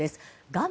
画面